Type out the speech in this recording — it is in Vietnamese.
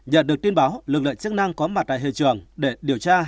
nhận được tin báo lực lượng chức năng có mặt tại hiện trường để điều tra